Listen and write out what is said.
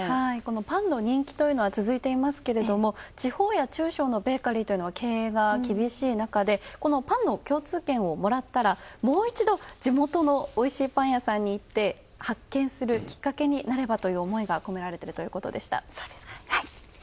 パンの人気というのは続いてますけども地方や中小のベーカリーというのは経営が厳しい中で、パンの共通券をもらったらもう一度、地元のおいしいパン屋さんに行って発見するきっかけになればという思いが込められているということでした。